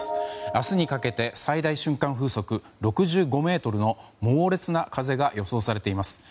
明日にかけて最大瞬間風速６５メートルの猛烈な風が予想されています。